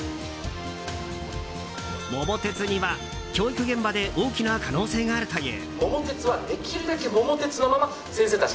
「桃鉄」には教育現場で大きな可能性があるという。